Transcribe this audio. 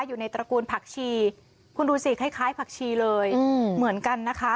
อยู่ในตระกูลผักชีคุณดูสิคล้ายผักชีเลยเหมือนกันนะคะ